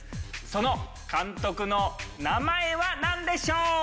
その監督の名前はなんでしょう？